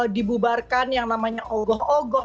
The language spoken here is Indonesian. dibubarkan yang namanya ogoh ogoh